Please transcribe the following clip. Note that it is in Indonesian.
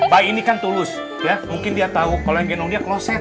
bayi ini kan tulus mungkin dia tahu kalau yang genom dia kloset